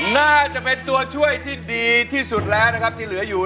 น่าจะเป็นตัวช่วยที่ดีที่สุดแล้วนะครับที่เหลืออยู่